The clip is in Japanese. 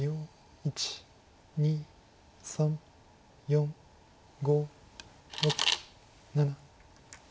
１２３４５６７。